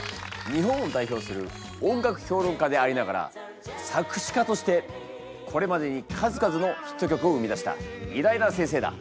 日本を代表する音楽評論家でありながら作詞家としてこれまでに数々のヒット曲を生み出した偉大な先生だ！